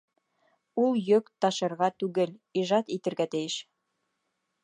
Ул йөк ташырға түгел, ижад итергә тейеш!